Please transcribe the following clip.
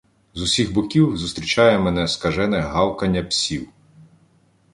З усіх боків зустрічає мене скажене гавкання псів.